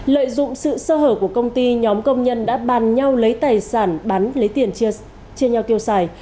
lợi dụng sự sơ hở của công ty nhóm công nhân đã bàn nhau lấy tài sản bán lấy tiền chia nhau tiêu xài